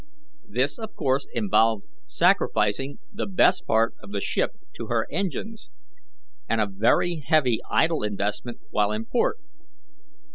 This, of course, involved sacrificing the best part of the ship to her engines, and a very heavy idle investment while in port.